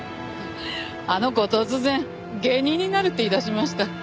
あの子突然芸人になるって言いだしました。